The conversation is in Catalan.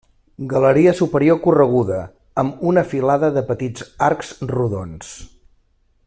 Galeria superior correguda, amb una filada de petits arcs rodons.